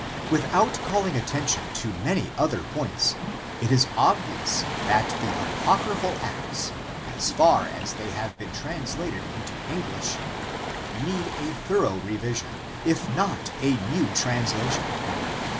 Without calling attention to many other points, it is obvious that the Apocryphal Acts, as far as they have been translated into English, need a thorough revision, if not a new translation.